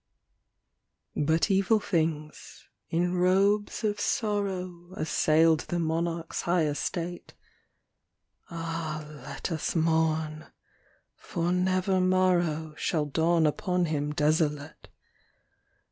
But evil things, in robes of sorrow, Assailed the monarch's high estate. (Ah, let us mourn! for never morrow Shall dawn upon him desolate